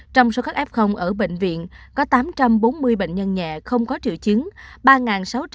trong số các f ở bệnh viện có tám trăm bốn mươi bệnh nhân nhẹ không có triệu chứng